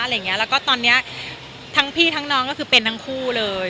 และตอนนี้ทั้งพี่ทั้งน้องเป็นทั้งคู่เลย